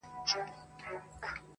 ادبي مجلسونه دا کيسه يادوي تل,